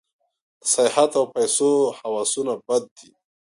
د سیاحت او پیسو هوسونه بد دي.